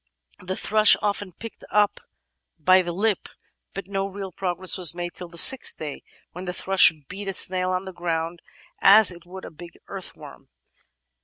The thrush often picked one up by the lip, but no real progress was made till the sixth day, when the thrush beat a snail on the ground as it would a big earthworm.